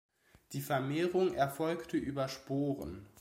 Die Vermehrung erfolgte über Sporen.